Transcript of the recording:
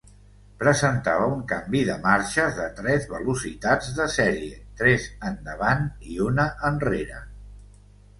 Presentava un canvi de marxes de tres velocitats de sèrie: tres endavant i una enrere.